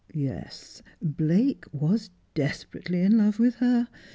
Yes, Blake was desperately in love with her.